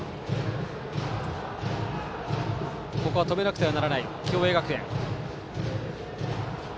止めなくてはならない共栄学園。